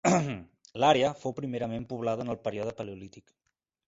L'àrea fou primerament poblada en el període paleolític.